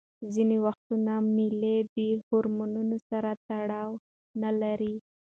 ځینې وختونه میل د هورمونونو سره تړاو نلري.